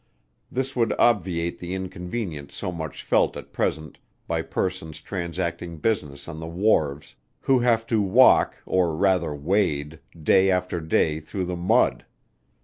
This would obviate the inconvenience so much felt at present by persons transacting business on the wharves, who have to walk or rather wade, day after day, through the mud.